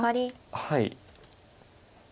はい。